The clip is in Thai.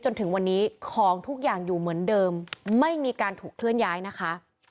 จนถึงวันนี้ของทุกอย่างอยู่เหมือนเดิมไม่มีการถูกเคลื่อนย้ายนะคะ